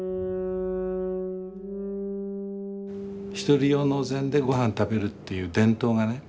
１人用のお膳でごはん食べるという伝統がね